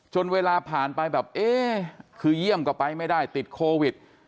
เวลาผ่านไปแบบเอ๊ะคือเยี่ยมก็ไปไม่ได้ติดโควิด